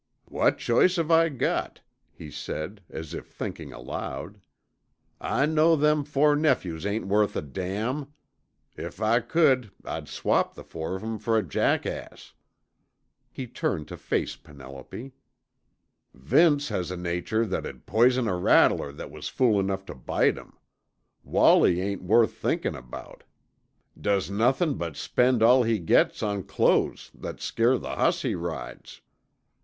"What choice have I got," he said, as if thinking aloud, "I know them four nephews ain't worth a damn. If I could, I'd swap the four of 'em fer a jackass." He turned to face Penelope. "Vince has a nature that'd pizon a rattler that was fool enough tuh bite him. Wallie ain't worth thinkin' about. Does nothin' but spend all he gets on clo'es that scare the hoss he rides.